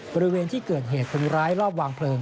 บริเวณที่เกิดเหตุคนร้ายรอบวางเพลิง